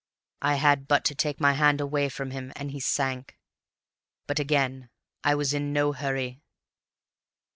I had but to take my hand away from him and he sank. But again I was in no hurry.